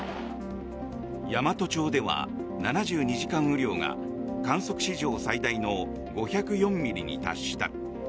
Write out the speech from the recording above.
山都町では７２時間雨量が観測史上最大の５０４ミリに達した。